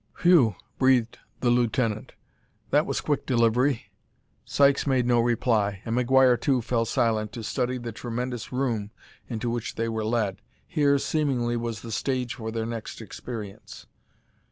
"Whew!" breathed the lieutenant; "that was quick delivery." Sykes made no reply, and McGuire, too, fell silent to study the tremendous room into which they were led. Here, seemingly, was the stage for their next experience.